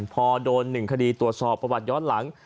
พอโดน๑คดีตรวจสอบประวัติย้อนหลัง